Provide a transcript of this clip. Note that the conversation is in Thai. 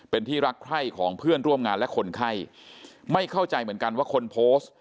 เป็นที่รักไข้ของเพื่อนร่วมงานและคนไข้ไม่เข้าใจเหมือนกันว่าคนโพสต์